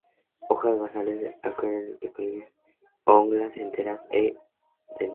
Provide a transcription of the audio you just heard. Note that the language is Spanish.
Hojas basales o caulinares, elíptico-lanceoladas, oblanceoladas u oblongas, enteras o dentadas.